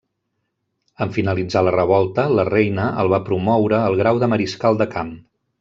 En finalitzar la revolta, la reina el va promoure al grau de Mariscal de Camp.